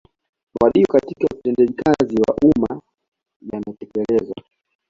Mabadiliko katika utendakazi wa umma yametekelezwa